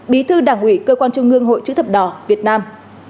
bí thư đảng ủy cơ quan trung ương hội chữ thập đỏ việt nam